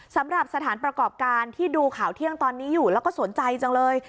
สำหรับสถานประกอบการที่ดูข่าวเที่ยงตอนนี้อยู่แล้วก็สนใจจังเลย